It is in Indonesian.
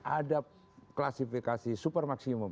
ada klasifikasi super maksimum